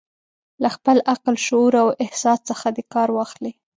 له خپل عقل، شعور او احساس څخه دې کار واخلي.